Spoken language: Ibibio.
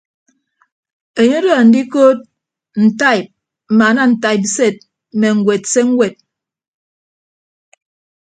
Enye odo andikood ntaib mmaana ntaibsed mme ñwed se ñwed.